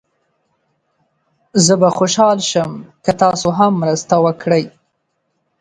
زه به خوشحال شم که تاسو هم مرسته وکړئ.